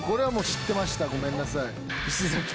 知ってましたごめんなさい。